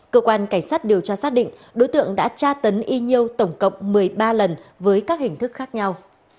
cơ quan cảnh sát điều tra xác định đối tượng đã tra tấn y nhiều tổng cộng một mươi ba lần với các hình thức khác nhau